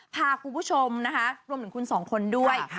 พาคุณผู้ชมนะคะรวมถึงคุณสองคนด้วย